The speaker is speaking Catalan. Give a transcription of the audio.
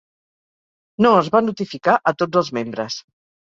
No es va notificar a tots els membres.